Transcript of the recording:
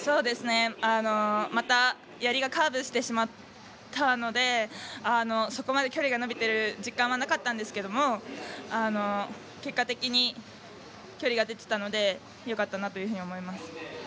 また、やりがカーブしてしまったのでそこまで距離が伸びている実感はなかったんですけれども結果的に距離が出ていたのでよかったなと思います。